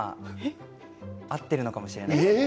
合っているのかもしれないですね。